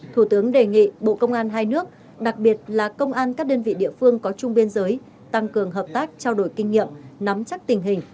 thủ tướng đề nghị bộ công an hai nước đặc biệt là công an các đơn vị địa phương có chung biên giới tăng cường hợp tác trao đổi kinh nghiệm nắm chắc tình hình